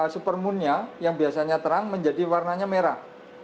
supermoonnya yang biasanya terang menjadi warnanya merah